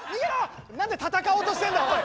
何で戦おうとしてるんだおい！